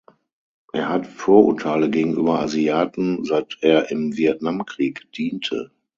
Er hat Vorurteile gegenüber Asiaten, seit er im Vietnamkrieg diente.